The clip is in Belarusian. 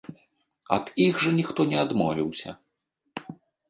Ад іх жа ніхто не адмовіўся.